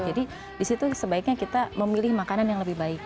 jadi disitu sebaiknya kita memilih makanan yang lebih baik